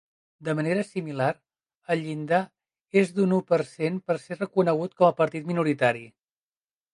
De manera similar, el llindar és d'un u per cent per ser reconegut com a partit minoritari.